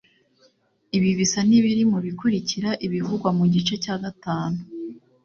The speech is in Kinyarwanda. Ibi bisa n'ibiri mu bikurikira ibivugwa mu gice cya gatanu